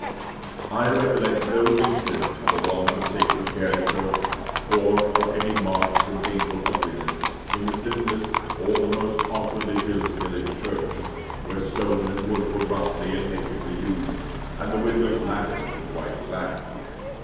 I recollect no instance of a want of sacred character, or of any marked and painful ugliness, in the simplest or the most awkwardly built village church, where stone and wood were roughly and nakedly used, and the windows latticed with white glass.